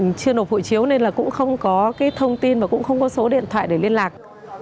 mình chưa nộp hộ chiếu nên là cũng không có cái thông tin và cũng không có số điện thoại để liên lạc